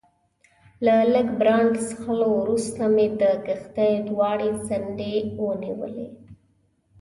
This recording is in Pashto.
له لږ برانډي څښلو وروسته مې د کښتۍ دواړې څنډې ونیولې.